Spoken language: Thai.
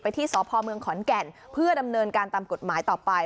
ที่สพเมืองขอนแก่นเพื่อดำเนินการตามกฎหมายต่อไป